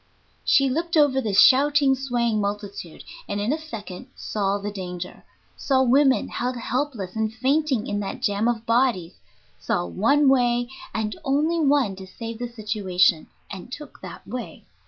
She looked over the shouting, swaying multitude, and in a second saw the danger saw women held helpless and fainting in that jam of bodies; saw one way, and only one, to save the situation, and took that way.